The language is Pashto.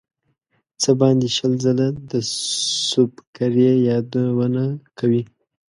څه باندې شل ځله د سُبکري یادونه کوي.